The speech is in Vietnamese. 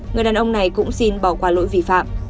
người đàn ông này cũng xin bỏ qua lỗi vi phạm